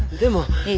いい？